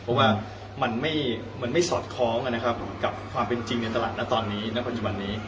เพราะว่ามันไม่สอดคล้องนะครับกับความเป็นจริงในตลาดณ์ตอนนี้